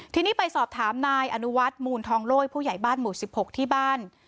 ทีนี้ไปสอบถามนายอนุวัฒน์มูลทองโลยผู้ใหญ่บ้านหมู่๑๖ที่บ้าน